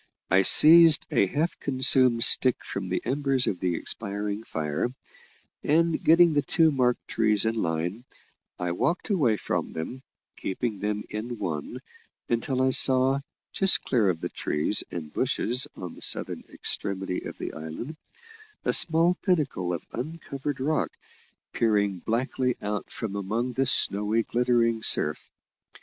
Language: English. I seized a half consumed stick from the embers of the expiring fire: and, getting the two marked trees in line, I walked away from them, keeping them in one, until I saw, just clear of the trees and bushes on the southern extremity of the island, a small pinnacle of uncovered rock peering blackly out from among the snowy glittering surf.